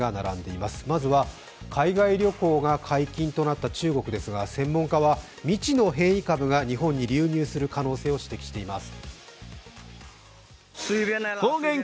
まずは海外旅行が解禁となった中国ですが専門家は道の変異株が日本に流入する可能性を警戒しています。